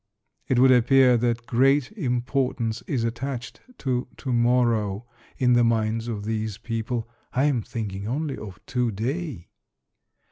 It would appear that great importance is attached to to morrow in the minds of these people. I am thinking only of to day.